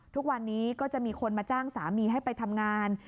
ทุกวันนี้ก็จะมีคนมาจ้างสามีให้ไปทำงาน